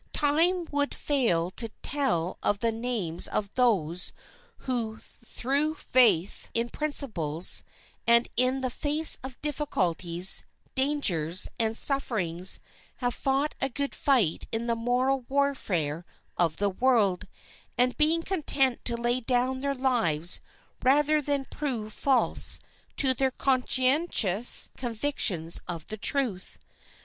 Time would fail to tell of the names of those who through faith in principles, and in the face of difficulties, dangers, and sufferings, have fought a good fight in the moral warfare of the world, and been content to lay down their lives rather than prove false to their conscientious convictions of the truth.